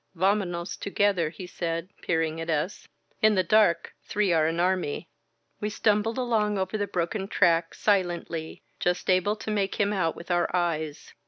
Vamono8 together,'* he said, peering at us, "In the dark three are an army." We stumbled along over the broken track, silently, just able to make him out with our eyes.